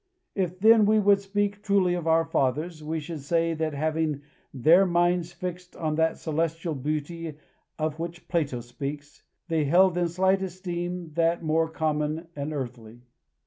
If, then, we would speak truly of our fathers, we should say that, having their minds fixed on that celestial beauty of which Plato speaks, they held in slight esteem that more common and earthly.